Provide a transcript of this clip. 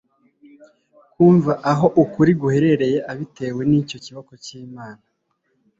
kumva aho ukuri guherereye abitewe n'icyo kiboko cy'imana